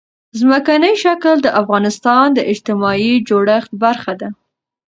ځمکنی شکل د افغانستان د اجتماعي جوړښت برخه ده.